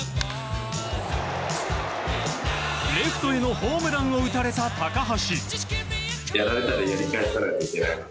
レフトへのホームランを打たれた高橋。